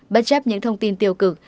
bất chấp những thông tin tiêu cực